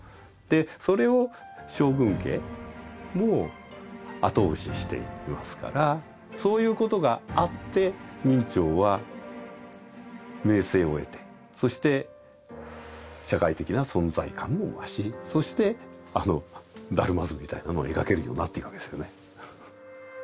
それを将軍家も後押ししていますからそういうことがあって明兆は名声を得てそして社会的な存在感も増しそしてあの「達磨図」みたいなのを描けるようになっていくわけですよね。